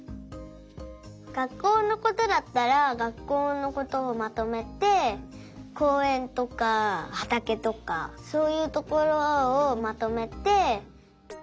学校のことだったら学校のことをまとめてこうえんとかはたけとかそういうところをまとめて。